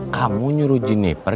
kamu nyuruh jeniper